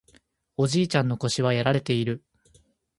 おじいちゃんの腰はやられている